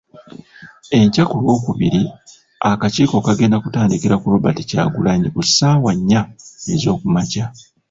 Enkya ku Lwokubiri, akakiiko kagenda kutandikira ku Robert Kyagulanyi ku ssaawa nnya ez'okumakya,